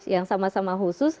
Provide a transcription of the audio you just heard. yang sama sama khusus